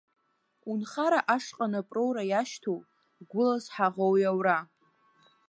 Унхара ашҟа анап роура иашьҭоу, гәылас ҳаӷоу иаура!